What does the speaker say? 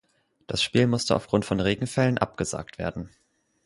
Das Spiel musste auf Grund von Regenfällen abgesagt werden.